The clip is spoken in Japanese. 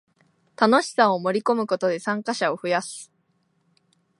楽しさを盛りこむことで参加者を増やす